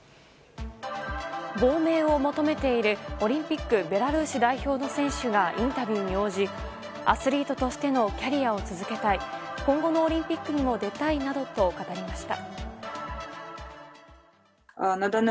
亡命を求めているオリンピックベラルーシ代表の選手がインタビューに応じアスリートとしてのキャリアを続けたい今後のオリンピックにも出たいなどと語りました。